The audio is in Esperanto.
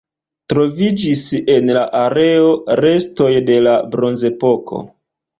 Troviĝis en la areo restoj de la Bronzepoko.